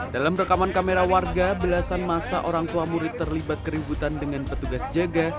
dalam rekaman kamera warga belasan masa orang tua murid terlibat keributan dengan petugas jaga